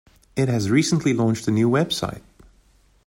It has recently launched a new website.